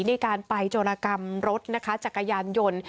ในการไปโจรกรรมรถนะคะจักรยานยนต์